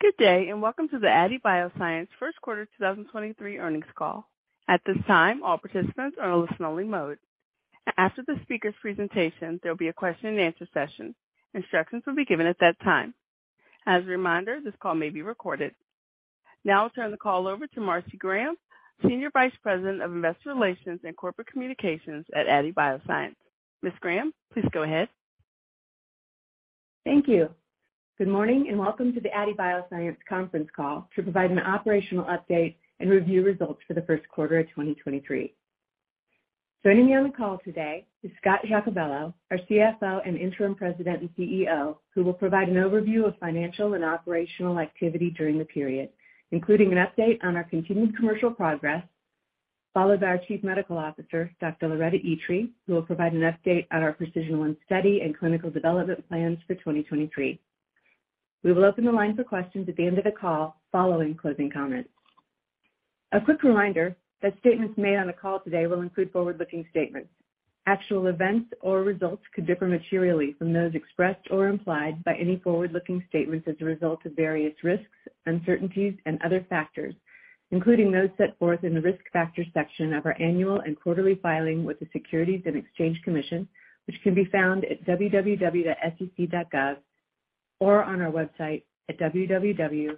Good day, welcome to the Aadi Bioscience First quarter 2023 Earnings Call. At this time, all participants are in listen-only mode. After the speaker's presentation, there'll be a question and answer session. Instructions will be given at that time. As a reminder, this call may be recorded. Now I'll turn the call over to Marcy Graham, Senior Vice President of Investor Relations and Corporate Communications at Aadi Bioscience. Ms. Graham, please go ahead. Thank you. Good morning, welcome to the Aadi Bioscience Conference Call to provide an operational update and review results for the first quarter of 2023. Joining me on the call today is Scott Giacobello, our CFO, and Interim President and CEO, who will provide an overview of financial and operational activity during the period, including an update on our continued commercial progress, followed by our Chief Medical Officer, Dr. Loretta Itri, who will provide an update on our PRECISION-1 study and clinical development plans for 2023. We will open the line for questions at the end of the call following closing comments. A quick reminder that statements made on the call today will include forward-looking statements. Actual events or results could differ materially from those expressed or implied by any forward-looking statements as a result of various risks, uncertainties, and other factors, including those set forth in the Risk Factors section of our annual and quarterly filing with the Securities and Exchange Commission, which can be found at www.sec.gov or on our website at www.aadibio.com.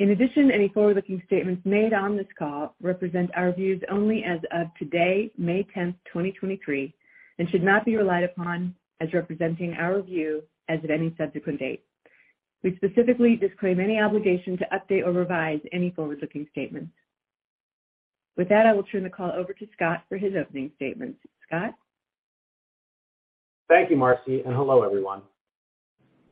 Any forward-looking statements made on this call represent our views only as of today, May 10, 2023, and should not be relied upon as representing our view as of any subsequent date. We specifically disclaim any obligation to update or revise any forward-looking statements. I will turn the call over to Scott for his opening statements. Scott? Thank you, Marcy, and hello, everyone.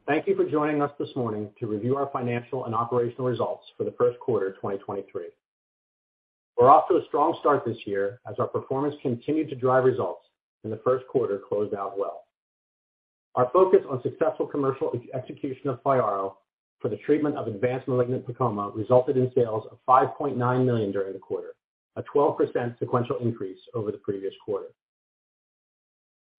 Thank you for joining us this morning to review our financial and operational results for the first quarter of 2023. We're off to a strong start this year as our performance continued to drive results, and the first quarter closed out well. Our focus on successful commercial ex-execution of FYARRO for the treatment of advanced malignant PEComa resulted in sales of $5.9 million during the quarter, a 12% sequential increase over the previous quarter.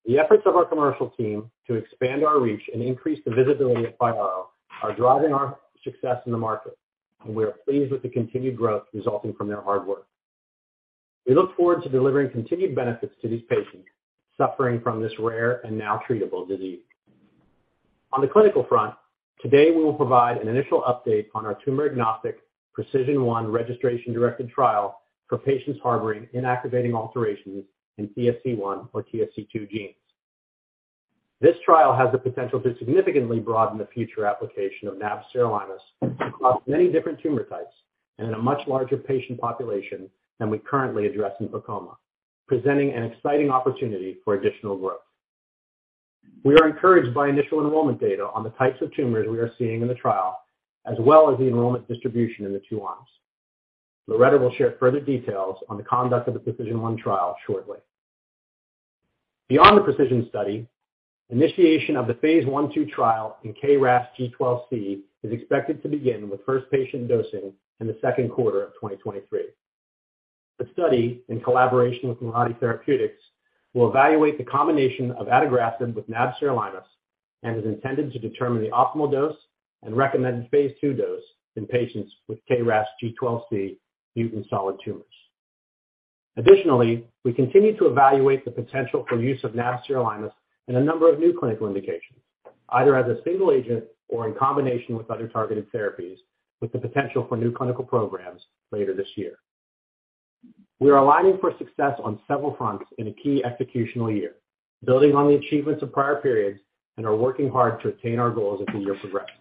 The efforts of our commercial team to expand our reach and increase the visibility of FYARRO are driving our success in the market, and we are pleased with the continued growth resulting from their hard work. We look forward to delivering continued benefits to these patients suffering from this rare and now treatable disease. On the clinical front, today we will provide an initial update on our tumor-agnostic PRECISION-1 registration directed trial for patients harboring inactivating alterations in TSC1 or TSC2 genes. This trial has the potential to significantly broaden the future application of nab-sirolimus across many different tumor types and in a much larger patient population than we currently address in PEComa, presenting an exciting opportunity for additional growth. We are encouraged by initial enrollment data on the types of tumors we are seeing in the trial, as well as the enrollment distribution in the two arms. Loretta will share further details on the conduct of the PRECISION-1 trial shortly. Beyond the PRECISION study, initiation of the phase I/II trial in KRAS G12C is expected to begin with first patient dosing in the second quarter of 2023. The study, in collaboration with Mirati Therapeutics, will evaluate the combination of adagrasib with nab-sirolimus and is intended to determine the optimal dose and recommended phase II dose in patients with KRAS G12C mutant solid tumors. We continue to evaluate the potential for use of nab-sirolimus in a number of new clinical indications, either as a single agent or in combination with other targeted therapies, with the potential for new clinical programs later this year. We are aligning for success on several fronts in a key executional year, building on the achievements of prior periods and are working hard to attain our goals as the year progresses.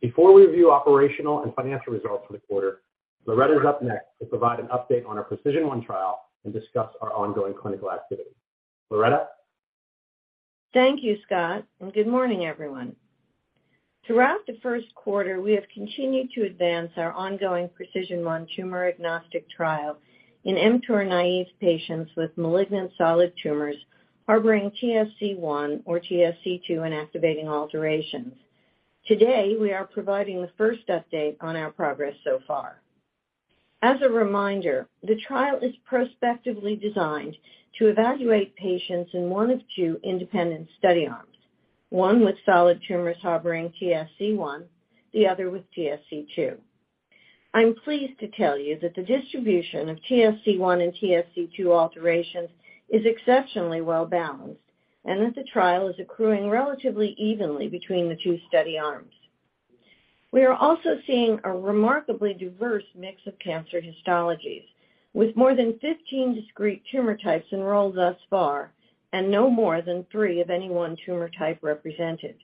Before we review operational and financial results for the quarter, Loretta is up next to provide an update on our PRECISION-1 trial and discuss our ongoing clinical activity. Loretta? Thank you, Scott, and good morning, everyone. Throughout the first quarter, we have continued to advance our ongoing PRECISION-1 tumor agnostic trial in mTOR-naïve patients with malignant solid tumors harboring TSC1 or TSC2 in activating alterations. Today, we are providing the first update on our progress so far. As a reminder, the trial is prospectively designed to evaluate patients in one of two independent study arms, one with solid tumors harboring TSC1, the other with TSC2. I'm pleased to tell you that the distribution of TSC1 and TSC2 alterations is exceptionally well-balanced and that the trial is accruing relatively evenly between the two study arms. We are also seeing a remarkably diverse mix of cancer histologies, with more than 15 discrete tumor types enrolled thus far and no more than three of any one tumor type represented.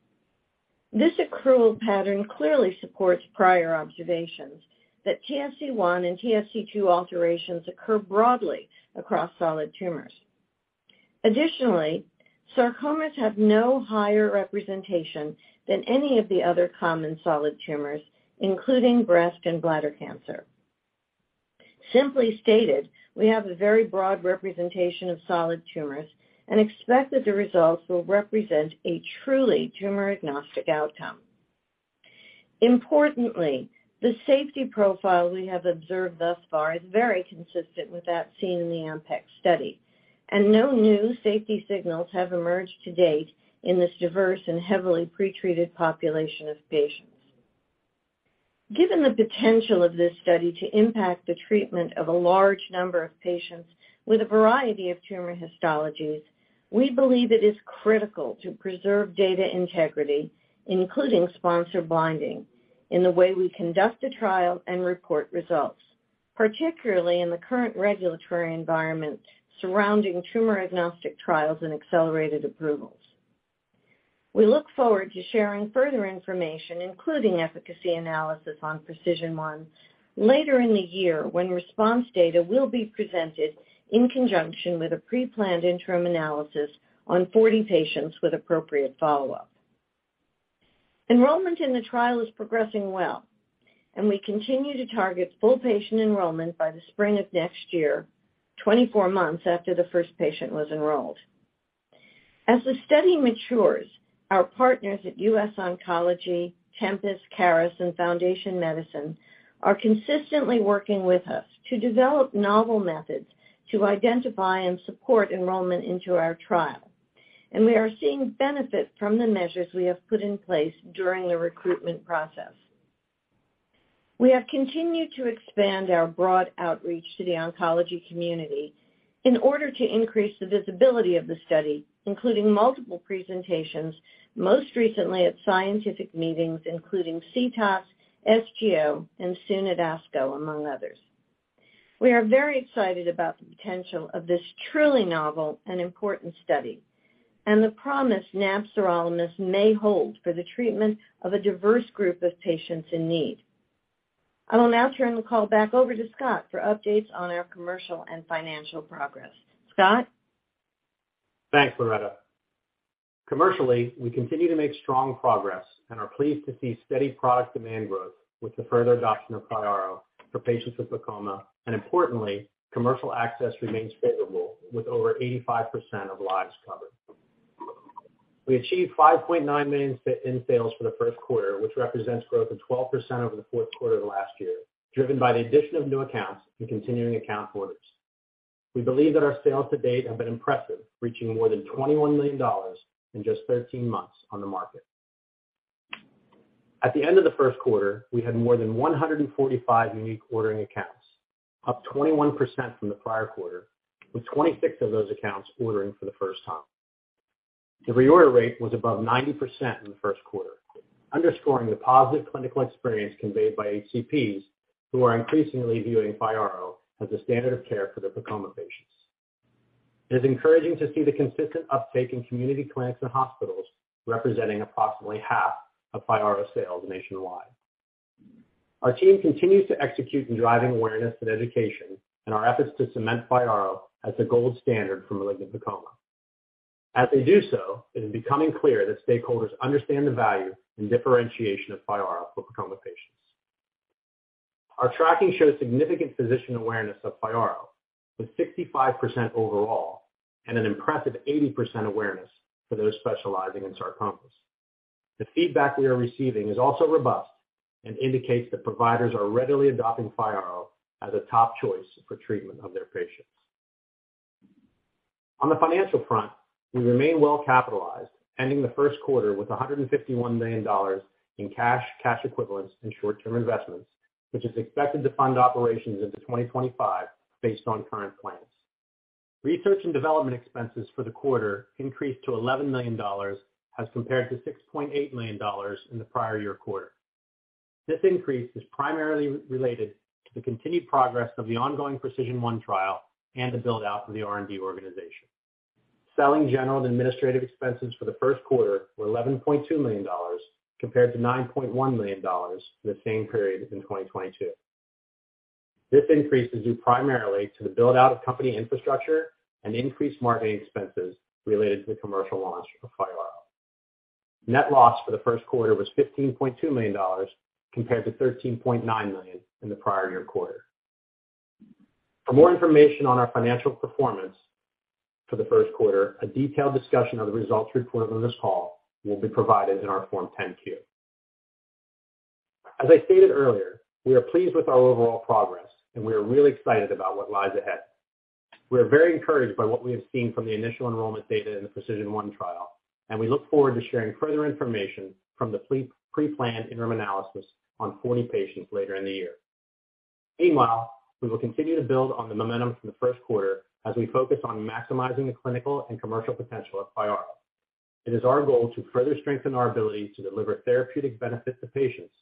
This accrual pattern clearly supports prior observations that TSC1 and TSC2 alterations occur broadly across solid tumors. Additionally, sarcomas have no higher representation than any of the other common solid tumors, including breast and bladder cancer. Simply stated, we have a very broad representation of solid tumors and expect that the results will represent a truly tumor-agnostic outcome. Importantly, the safety profile we have observed thus far is very consistent with that seen in the AMPECT study, and no new safety signals have emerged to date in this diverse and heavily pretreated population of patients. Given the potential of this study to impact the treatment of a large number of patients with a variety of tumor histologies, we believe it is critical to preserve data integrity, including sponsor blinding, in the way we conduct the trial and report results, particularly in the current regulatory environment surrounding tumor-agnostic trials and accelerated approvals. We look forward to sharing further information, including efficacy analysis on PRECISION-1, later in the year when response data will be presented in conjunction with a pre-planned interim analysis on 40 patients with appropriate follow-up. Enrollment in the trial is progressing well. We continue to target full patient enrollment by the spring of next year, 24 months after the first patient was enrolled. As the study matures, our partners at US Oncology, Tempus, Caris, and Foundation Medicine are consistently working with us to develop novel methods to identify and support enrollment into our trial, and we are seeing benefit from the measures we have put in place during the recruitment process. We have continued to expand our broad outreach to the oncology community in order to increase the visibility of the study, including multiple presentations, most recently at scientific meetings including CTOS, SGO, and soon at ASCO, among others. We are very excited about the potential of this truly novel and important study and the promise nab-sirolimus may hold for the treatment of a diverse group of patients in need. I will now turn the call back over to Scott for updates on our commercial and financial progress. Scott? Thanks, Loretta. Commercially, we continue to make strong progress and are pleased to see steady product demand growth with the further adoption of FYARRO for patients with PEComa, and importantly, commercial access remains favorable, with over 85% of lives covered. We achieved $5.9 million in sales for the first quarter, which represents growth of 12% over the fourth quarter of last year, driven by the addition of new accounts and continuing account orders. We believe that our sales to date have been impressive, reaching more than $21 million in just 13 months on the market. At the end of the first quarter, we had more than 145 unique ordering accounts, up 21% from the prior quarter, with 26 of those accounts ordering for the first time. The reorder rate was above 90% in the first quarter, underscoring the positive clinical experience conveyed by HCPs who are increasingly viewing FYARRO as a standard of care for their PEComa patients. It is encouraging to see the consistent uptake in community clinics and hospitals, representing approximately half of FYARRO sales nationwide. Our team continues to execute in driving awareness and education in our efforts to cement FYARRO as the gold standard for malignant PEComa. As they do so, it is becoming clear that stakeholders understand the value and differentiation of FYARRO for PEComa patients. Our tracking shows significant physician awareness of FYARRO, with 65% overall and an impressive 80% awareness for those specializing in sarcomas. The feedback we are receiving is also robust and indicates that providers are readily adopting FYARRO as a top choice for treatment of their patients. On the financial front, we remain well capitalized, ending the first quarter with $151 million in cash equivalents, and short-term investments, which is expected to fund operations into 2025 based on current plans. Research and development expenses for the quarter increased to $11 million as compared to $6.8 million in the prior year quarter. This increase is primarily related to the continued progress of the ongoing PRECISION-1 trial and the build-out of the R&D organization. Selling general and administrative expenses for the first quarter were $11.2 million compared to $9.1 million in the same period in 2022. This increase is due primarily to the build-out of company infrastructure and increased marketing expenses related to the commercial launch of FYARRO. Net loss for the first quarter was $15.2 million compared to $13.9 million in the prior year quarter. For more information on our financial performance for the first quarter, a detailed discussion of the results reported on this call will be provided in our Form 10-Q. As I stated earlier, we are pleased with our overall progress, and we are really excited about what lies ahead. We are very encouraged by what we have seen from the initial enrollment data in the PRECISION-1 trial, and we look forward to sharing further information from the pre-planned interim analysis on 40 patients later in the year. Meanwhile, we will continue to build on the momentum from the first quarter as we focus on maximizing the clinical and commercial potential of FYARRO. It is our goal to further strengthen our ability to deliver therapeutic benefit to patients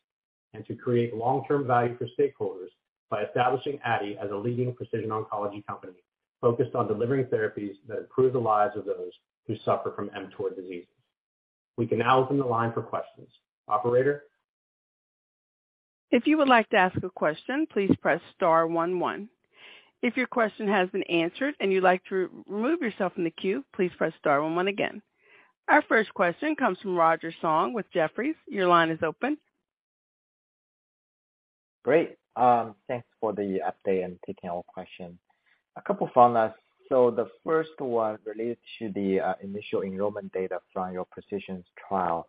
and to create long-term value for stakeholders by establishing Aadi as a leading precision oncology company focused on delivering therapies that improve the lives of those who suffer from mTOR diseases. We can now open the line for questions. Operator? If you would like to ask a question, please press star one one. If your question has been answered and you'd like to remove yourself from the queue, please press star one one again. Our first question comes from Roger Song with Jefferies. Your line is open. Great. Thanks for the update and taking our question. A couple from us. The first one relates to the initial enrollment data from your PRECISION trial.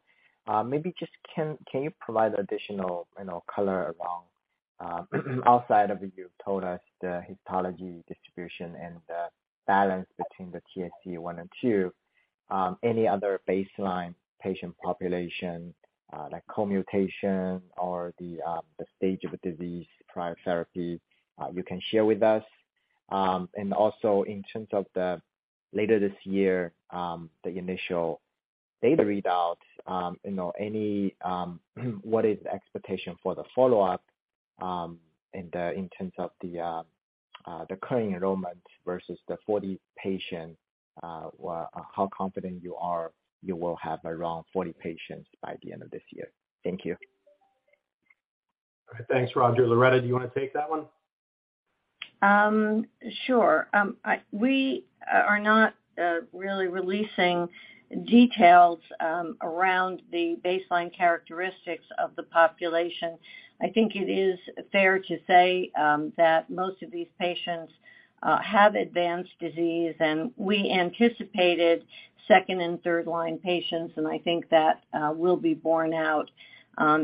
Maybe just can you provide additional, you know, color around outside of what you've told us, the histology distribution and the balance between the TSC1 and TSC2, any other baseline patient population, like co-mutation or the stage of disease, prior therapy, you can share with us. Also in terms of the later this year, the initial data readout, you know, any, what is the expectation for the follow-up, and in terms of the current enrollment versus the 40 patient, how confident you are you will have around 40 patients by the end of this year? Thank you. Thanks, Roger. Loretta, do you wanna take that one? Sure. We are not really releasing details around the baseline characteristics of the population. I think it is fair to say that most of these patients have advanced disease, and we anticipated second and third line patients, and I think that will be borne out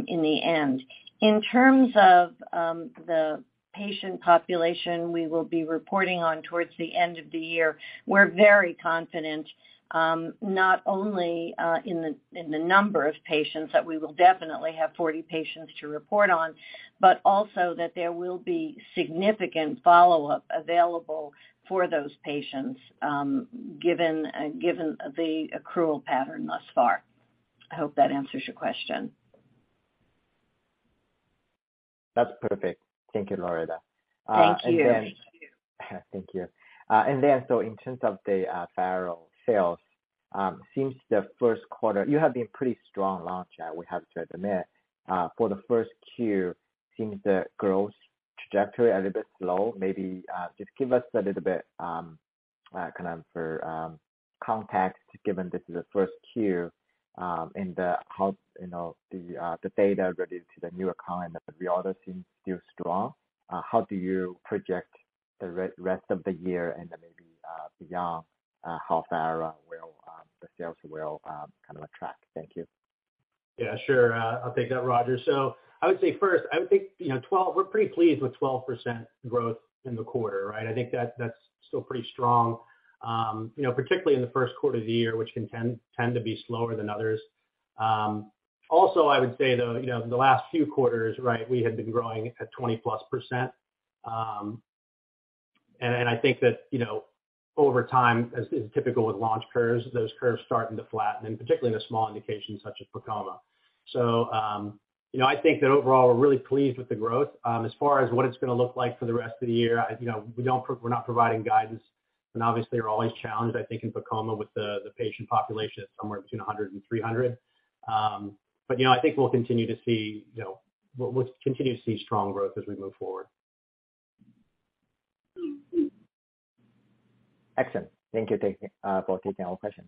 in the end. In terms of the patient population we will be reporting on towards the end of the year, we're very confident, not only in the number of patients that we will definitely have 40 patients to report on, but also that there will be significant follow-up available for those patients, given the accrual pattern thus far. I hope that answers your question. That's perfect. Thank you, Loretta. Thank you. Thank you. In terms of the FYARRO sales, since the first quarter, you have been pretty strong launch. We have seen that. For the first Q, since the growth trajectory a little bit slow, maybe, just give us a little bit kind of for context, given this is the first Q, and how, you know, the data related to the new account and the reorder seems still strong. How do you project the rest of the year and then maybe beyond, how far will the sales will kind of attract? Thank you. Yeah, sure. I'll take that, Roger. I would say first, I would think, you know, we're pretty pleased with 12% growth in the quarter, right? I think that's still pretty strong, you know, particularly in the first quarter of the year, which can tend to be slower than others. I would say though, you know, the last few quarters, we had been growing at 20%+. And I think that, you know, over time, as is typical with launch curves, those curves start to flatten, particularly in a small indication such as PEComa. I think that overall we're really pleased with the growth. As far as what it's gonna look like for the rest of the year, you know, we're not providing guidance, and obviously we're always challenged, I think, in PEComa with the patient population at somewhere between 100 and 300. You know, I think we'll continue to see, you know, we'll continue to see strong growth as we move forward. Excellent. Thank you for taking our question.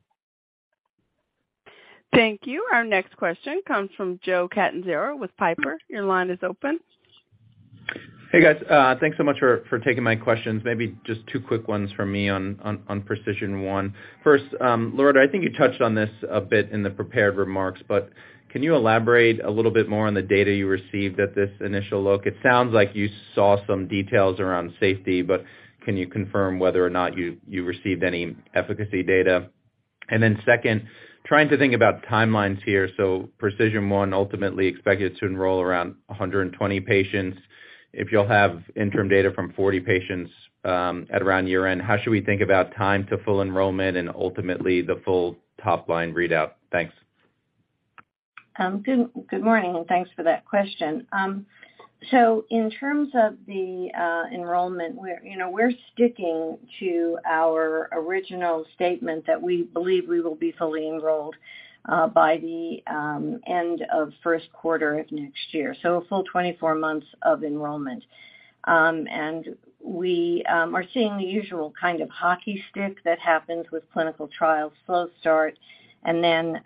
Thank you. Our next question comes from Joe Catanzaro with Piper. Your line is open. Hey, guys. Thanks so much for taking my questions. Maybe just two quick ones from me on, on PRECISION-1. First, Loretta, I think you touched on this a bit in the prepared remarks, but can you elaborate a little bit more on the data you received at this initial look? It sounds like you saw some details around safety, but can you confirm whether or not you received any efficacy data? Second, trying to think about timelines here. PRECISION-1 ultimately expected to enroll around 120 patients. If you'll have interim data from 40 patients, at around year-end, how should we think about time to full enrollment and ultimately the full top-line readout? Thanks. Good, good morning, and thanks for that question. In terms of the enrollment, we're, you know, we're sticking to our original statement that we believe we will be fully enrolled by the end of first quarter of next year, so a full 24 months of enrollment. We are seeing the usual kind of hockey stick that happens with clinical trials, slow start, and then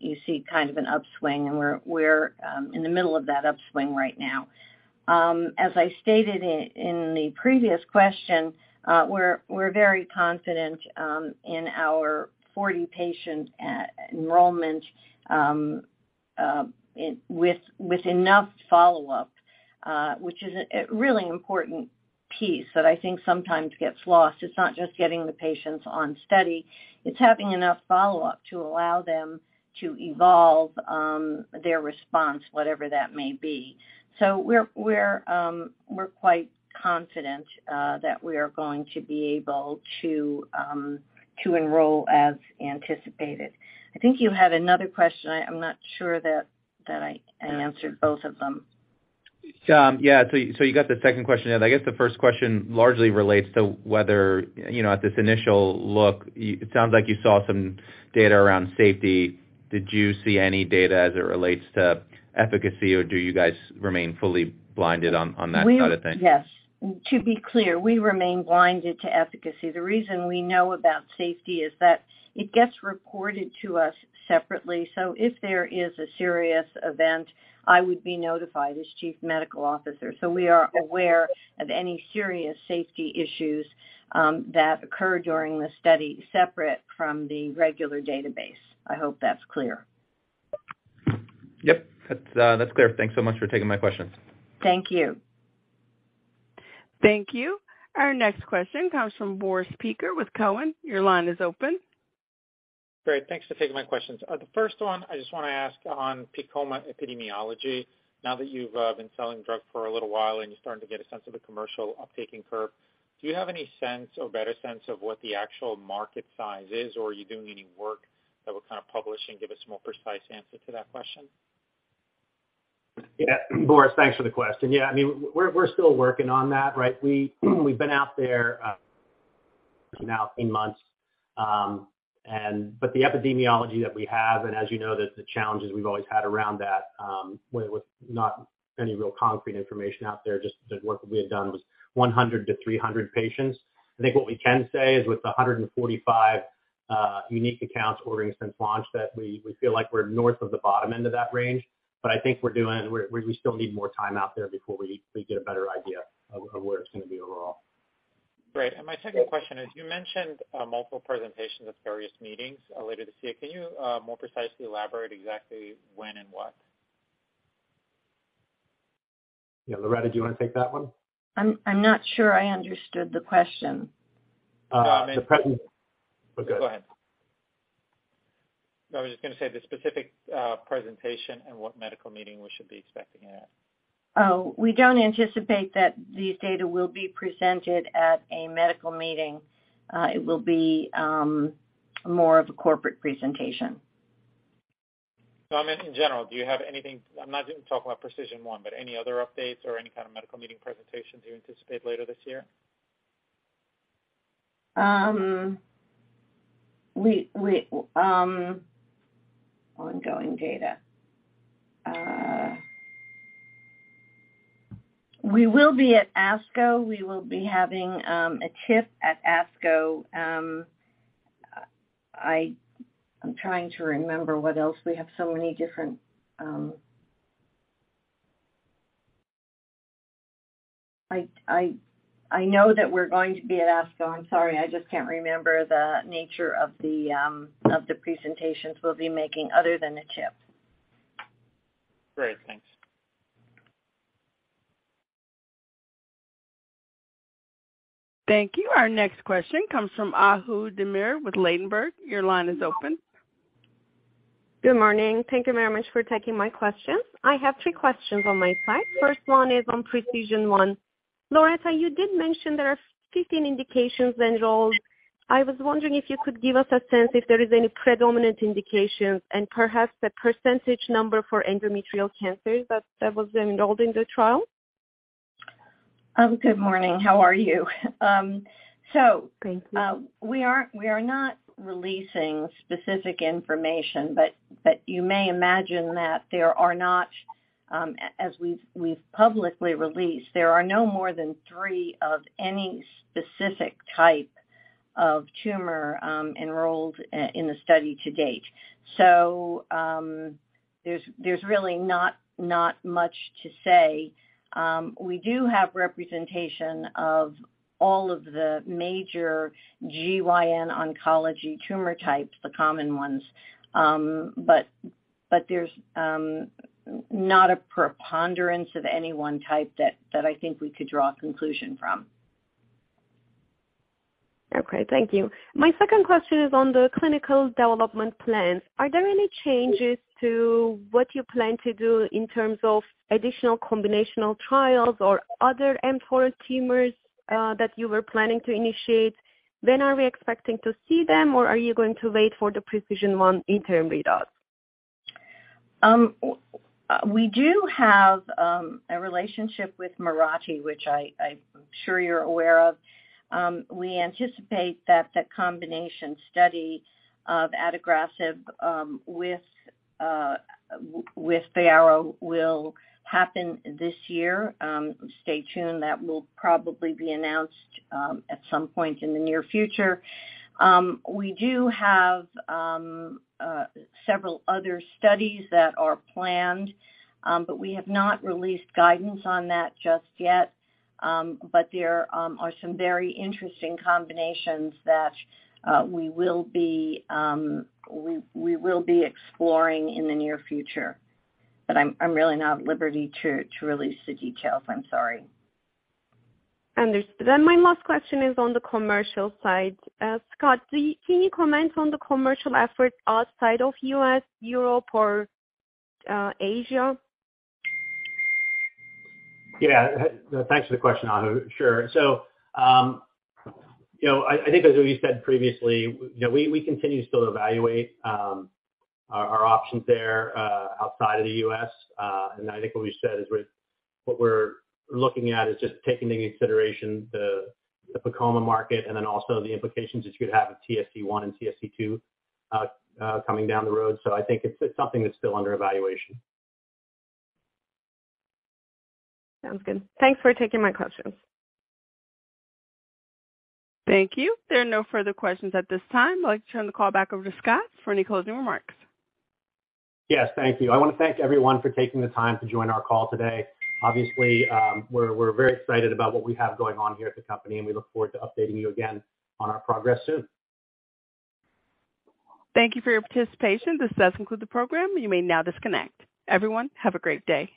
you see kind of an upswing and we're in the middle of that upswing right now. As I stated in the previous question, we're very confident in our 40 patient enrollment with enough follow-up, which is a really important piece that I think sometimes gets lost. It's not just getting the patients on study. It's having enough follow-up to allow them to evolve, their response, whatever that may be. We're quite confident that we are going to be able to enroll as anticipated. I think you had another question. I'm not sure that I answered both of them. Yeah. You got the second question in. I guess the first question largely relates to whether, you know, at this initial look, it sounds like you saw some data around safety. Did you see any data as it relates to efficacy, or do you guys remain fully blinded on that side of things? Yes. To be clear, we remain blinded to efficacy. The reason we know about safety is that it gets reported to us separately. If there is a serious event, I would be notified as Chief Medical Officer. We are aware of any serious safety issues that occur during the study, separate from the regular database. I hope that's clear. Yep, that's clear. Thanks so much for taking my questions. Thank you. Thank you. Our next question comes from Boris Peaker with Cowen. Your line is open. Great. Thanks for taking my questions. The first one I just wanna ask on PEComa epidemiology. Now that you've been selling drug for a little while and you're starting to get a sense of the commercial uptaking curve, do you have any sense or better sense of what the actual market size is, or are you doing any work that will kind of publish and give us more precise answer to that question? Boris, thanks for the question. Yeah. I mean, we're still working on that, right? We've been out there now a few months, the epidemiology that we have and as you know, the challenges we've always had around that, with not any real concrete information out there, just the work that we had done was 100-300 patients. I think what we can say is with the 145 unique accounts ordered since launch that we feel like we're north of the bottom end of that range. I think we're doing. We still need more time out there before we get a better idea of where it's gonna be overall. Great. My second question is, you mentioned, multiple presentations at various meetings later this year. Can you, more precisely elaborate exactly when and what? Yeah. Loretta, do you wanna take that one? I'm not sure I understood the question. Uh, the present- No, I meant- Go ahead. No, I was just gonna say the specific presentation and what medical meeting we should be expecting it at. We don't anticipate that these data will be presented at a medical meeting. It will be more of a corporate presentation. No, I meant in general. Do you have anything... I'm not even talking about PRECISION-1, but any other updates or any kind of medical meeting presentations you anticipate later this year? We... Ongoing data. We will be at ASCO. We will be having a TIP at ASCO. I'm trying to remember what else. We have so many different... I know that we're going to be at ASCO. I'm sorry, I just can't remember the nature of the presentations we'll be making other than the TIP. Great. Thanks. Thank you. Our next question comes from Ahu Demir with Ladenburg. Your line is open. Good morning. Thank you very much for taking my questions. I have three questions on my side. First one is on PRECISION-1. Loretta, you did mention there are 15 indications enrolled. I was wondering if you could give us a sense if there is any predominant indications and perhaps the percentage number for endometrial cancer that was enrolled in the trial. Good morning. How are you? Thank you. We are not releasing specific information, but you may imagine that there are not, as we've publicly released, there are no more than 3 of any specific type of tumor enrolled in the study to date. There's really not much to say. We do have representation of all of the major GYN oncology tumor types, the common ones. There's not a preponderance of any one type that I think we could draw a conclusion from. Okay. Thank you. My second question is on the clinical development plan. Are there any changes to what you plan to do in terms of additional combinational trials or other mTOR tumors that you were planning to initiate? When are we expecting to see them, or are you going to wait for the PRECISION-1 interim readouts? We do have a relationship with Mirati, which I'm sure you're aware of. We anticipate that the combination study of adagrasib with FYARRO will happen this year. Stay tuned. That will probably be announced at some point in the near future. We do have several other studies that are planned, but we have not released guidance on that just yet. There are some very interesting combinations that we will be exploring in the near future. I'm really not at liberty to release the details. I'm sorry. Understood. My last question is on the commercial side. Scott, can you comment on the commercial effort outside of U.S., Europe or Asia? Yeah. Thanks for the question, Ahu. Sure. You know, I think as we said previously, you know, we continue to still evaluate our options there outside of the U.S. I think what we said is what we're looking at is just taking into consideration the PEComa market and then also the implications it could have with TSC1 and TSC2 coming down the road. I think it's something that's still under evaluation. Sounds good. Thanks for taking my questions. Thank you. There are no further questions at this time. I'd like to turn the call back over to Scott for any closing remarks. Yes. Thank you. I wanna thank everyone for taking the time to join our call today. Obviously, we're very excited about what we have going on here at the company, and we look forward to updating you again on our progress soon. Thank you for your participation. This does conclude the program. You may now disconnect. Everyone, have a great day.